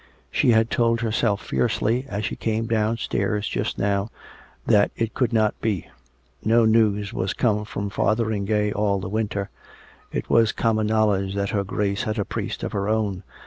She had told herself fiercely as she came downstairs just now, that it could not be. No news was come from Fotheringay all the winter; it was common knowledge that her Grace had a priest of her own.